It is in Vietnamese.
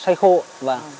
xoay khô và